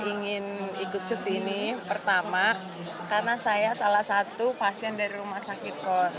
ingin ikut kesini pertama karena saya salah satu pasien dari rumah sakit polri